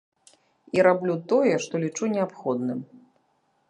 І раблю тое, што лічу неабходным.